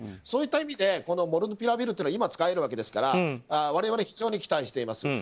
そういった意味でモルヌピラビルは今、使えるわけですから我々は非常に期待しています。